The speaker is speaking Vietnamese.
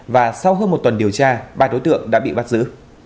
và sau hơn một tuần điều tra ba đối tượng đã bị bắt giữ